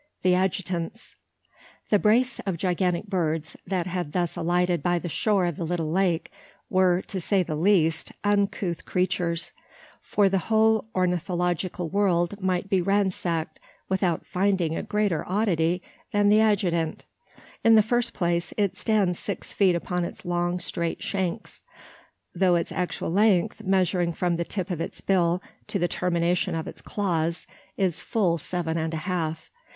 THE ADJUTANTS. The brace of gigantic birds, that had thus alighted by the shore of the little lake, were, to say the least, uncouth creatures; for the whole ornithological world might be ransacked without finding a greater oddity than the adjutant. In the first place, it stands six feet upon its long, straight shanks; though its actual length, measuring from the tip of its bill to the termination of its claws, is full seven and a half.